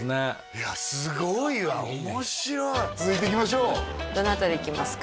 すごいわ面白い続いていきましょうどの辺りいきますか？